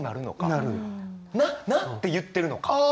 「なあ！なあ！」って言ってるのか？